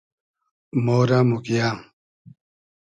مۉرۂ موگیۂ